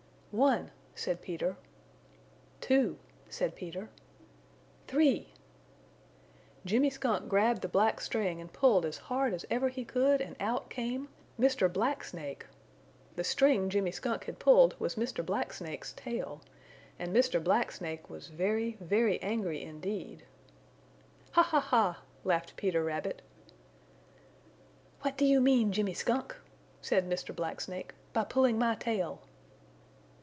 "One!" said Peter. "Two!" said Peter. "Three!" Jimmy Skunk grabbed the black string and pulled as hard as ever he could and out came Mr. Black Snake! The string Jimmy Skunk had pulled was Mr. Black Snake's tail, and Mr. Black Snake was very, very angry indeed. "Ha! Ha! Ha!" laughed Peter Rabbit. "What do you mean, Jimmy Skunk," said Mr. Black Snake, "by pulling my tail?"